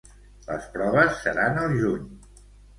Les proves seran al juny.